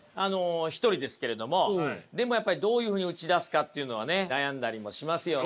１人ですけれどもでもやっぱりどういうふうに打ち出すかっていうのはね悩んだりもしますよね。